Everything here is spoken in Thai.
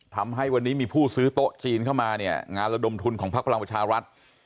ทำให้วันนี้มีผู้ซื้อโต๊ะจีนเข้ามาเนี่ยงานระดมทุนของพักพลังประชารัฐ